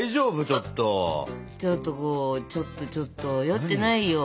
ちょっとこうちょっとちょっと酔ってないよ。